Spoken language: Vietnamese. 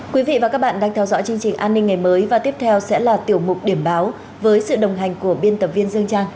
quý vị và các bạn đang theo dõi chương trình an ninh ngày mới và tiếp theo sẽ là tiểu mục điểm báo với sự đồng hành của biên tập viên dương trang